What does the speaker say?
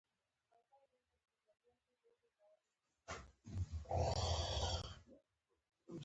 د پتنګ وزرونه ډیر نازک وي